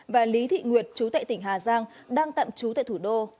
và lý thị nguyệt chú tại tỉnh hà giang đang tạm trú tại thủ đô